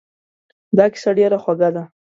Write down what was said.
دا کیسه ډېره خوږه ده.